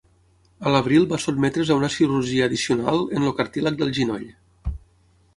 A l'abril va sotmetre's a una cirurgia addicional en el cartílag del genoll.